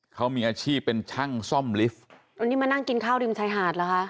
เขามีอาชีพเป็นช่างซ่อมลิฟต์วันนี้มานั่งกินข้าวริมชายหาดเหรอคะ